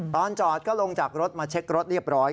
ตอนจอดก็ลงจากรถมาเช็ครถเรียบร้อย